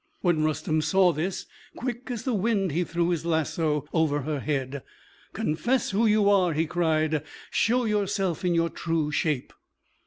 When Rustem saw this, quick as the wind he threw his lasso over her head. "Confess who you are," he cried; "show yourself in your true shape."